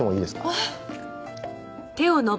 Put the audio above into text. ああ。